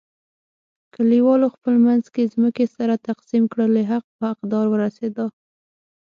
کلیوالو خپل منځ کې ځمکې سره تقسیم کړلې، حق په حق دار ورسیدا.